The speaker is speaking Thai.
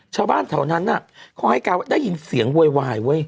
ชาวบ้านเท่านั้นเขาได้ยินเสียงโวยวาย